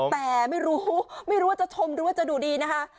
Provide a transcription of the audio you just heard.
แต่ไม่รู้ว่าจะชมหรือดูดีนะคะ